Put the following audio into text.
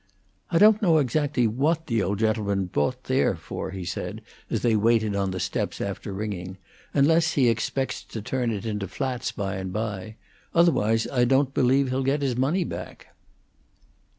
"I don't know exactly what the old gentleman bought here for," he said, as they waited on the steps after ringing, "unless he expects to turn it into flats by and by. Otherwise, I don't believe he'll get his money back."